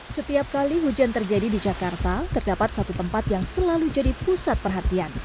setiap kali hujan terjadi di jakarta terdapat satu tempat yang selalu jadi pusat perhatian